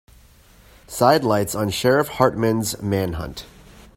Sidelights on Sheriff Hartman's manhunt.